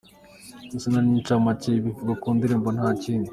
Izina ni nk’incamake y’ibivugwa mu ndirimbo nta kindi.